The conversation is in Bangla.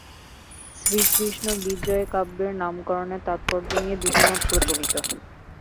শ্রীকৃষ্ণবিজয় কাব্যের নামকরণের তাৎপর্য নিয়ে দুটি মত প্রচলিত।